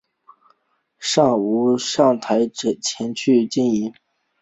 尚无台商前往立陶宛投资或经营。